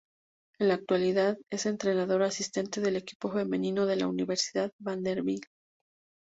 En la actualidad es entrenador asistente del equipo femenino de la Universidad Vanderbilt.